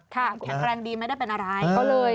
ครับแข็งแกร่งดีไม่ได้เป็นอะไร